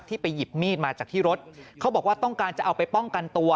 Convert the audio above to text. ไปหยิบมีดมาจากที่รถเขาบอกว่าต้องการจะเอาไปป้องกันตัว